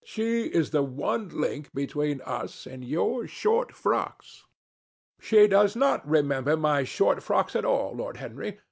"She is the one link between us and your short frocks." "She does not remember my short frocks at all, Lord Henry.